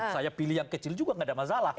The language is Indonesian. saya pilih yang kecil juga nggak ada masalah